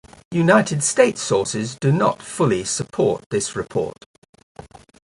United States sources do not fully support this report.